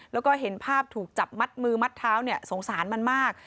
แล้วก็เห็นภาพถูกจับมัดมือมัดเท้าเนี่ยสงสารมันมาก